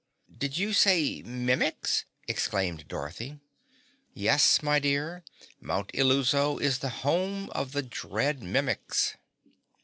"Did you say Mimics?" exclaimed Dorothy. "Yes, my dear, Mount Illuso is the home of the dread Mimics."